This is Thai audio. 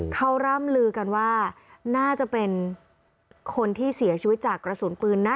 เขาร่ำลือกันว่าน่าจะเป็นคนที่เสียชีวิตจากกระสุนปืนนะ